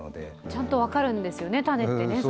ちゃんと分かるんですよね、種って。